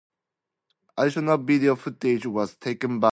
Additional video footage was taken by Natural Light Earth.